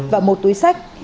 và một túi sách